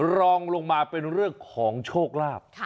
รองลงมาเป็นเรื่องของโชคลาภ